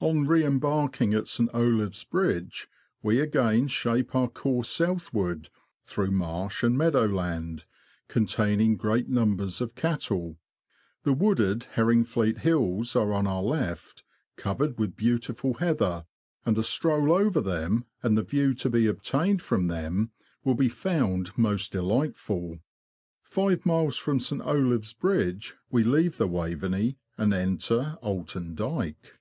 On re embarking at St. Olave's Bridge, we again shape our course southward, through marsh and meadow land, containing great numbers of cattle. The wooded Herringfleet Hills are on our left, covered with beautiful heather, and a stroll over them, and the view to be obtained from them, will be found most delightful. Five miles from St. Olave's Bridge we leave the Waveney, and enter Oulton Dyke.